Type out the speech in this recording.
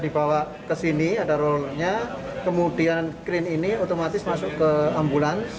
dibawa ke sini ada rollnya kemudian krain ini otomatis masuk ke ambulans